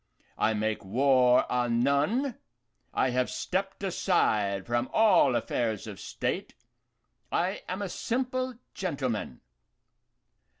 I make war on none, I have stepped aside from all affairs of state, I am a simple gentleman.